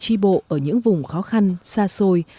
tri bộ ở những vùng khó khăn xa xôi